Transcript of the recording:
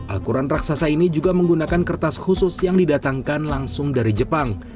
al quran raksasa ini juga menggunakan kertas khusus yang didatangkan langsung dari jepang